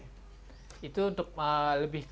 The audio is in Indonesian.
itu pada saat itu momennya apa yang membuat anda